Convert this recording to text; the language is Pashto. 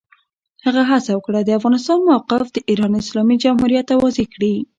هغه هڅه وکړه، د افغانستان موقف د ایران اسلامي جمهوریت ته واضح کړي.